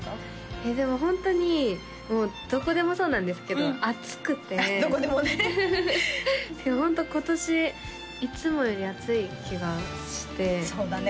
えでもホントにもうどこでもそうなんですけど暑くてどこでもねホント今年いつもより暑い気がしてそうだね